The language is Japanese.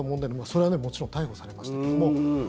それはもちろん逮捕されましたけども。